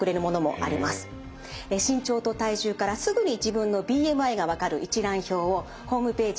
身長と体重からすぐに自分のＢＭＩが分かる一覧表をホームページ